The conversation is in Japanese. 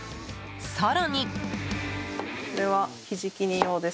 更に。